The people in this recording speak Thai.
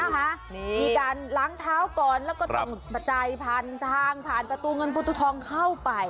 มีการล้างเท้าก่อนแล้วก็ต้องประจายผ่านทางผ่านประตูเงินประตูทองเข้าไป